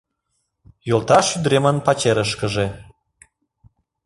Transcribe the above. Йолташ ӱдыремын пачерышкыже.